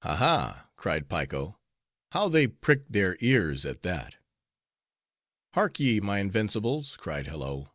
"Ha, ha!" cried Piko, "how they prick their ears at that!" "Hark ye, my invincibles!" cried Hello.